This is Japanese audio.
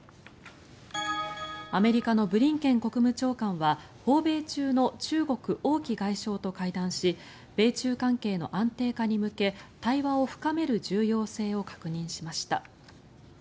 アメリカのブリンケン国務長官は訪米中の中国、王毅外相と会談し米中関係の安定化に向け対話を深める重要性を確認しました。